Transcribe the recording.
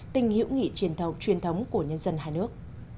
tình hữu nghị truyền thống của nhân dân hai nước